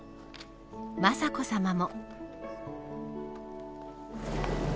雅子さまも。